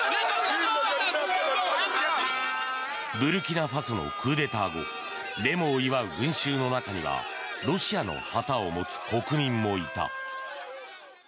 ブルキナファソのクーデター後デモを祝う群衆の中にはロシアの旗を持つ国民もいた。